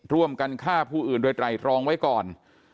ร่วมกันฆ่าผู้อื่นโดยไตรรองไว้ก่อน